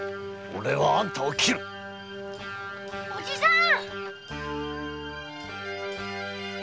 おじさん！